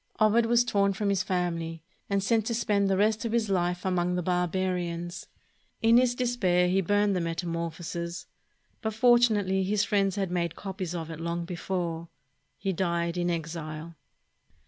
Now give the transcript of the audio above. Ovid was torn from his family and sent to spend the rest of his Hfe among the barbarians. In his despair he burned the "Metamorphoses," but fortunately his friends had made copies of it long before. He died in exile.